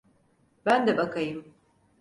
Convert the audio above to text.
Ben de bakayım.